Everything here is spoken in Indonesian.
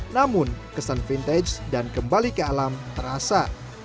namun kesan vintage dan kembali ke alam terasa